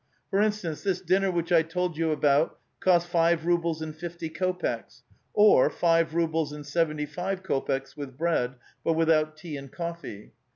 For instance, this dinner which I told you about cost five rubles and fifty kopeks, or five rubles and seventy five kopeks, with bread, but without tea and coffee.